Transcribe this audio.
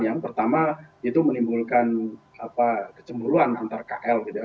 yang pertama itu menimbulkan kecemburuan antar kl gitu ya